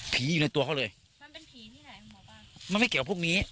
ผีอยู่ในตัวเขาเลยมันไม่เกี่ยวพวกนี้